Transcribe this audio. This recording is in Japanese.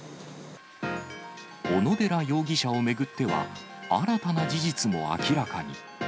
小野寺容疑者を巡っては、新たな事実も明らかに。